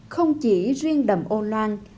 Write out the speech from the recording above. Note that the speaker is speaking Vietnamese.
không chỉ riêng đầm ô lan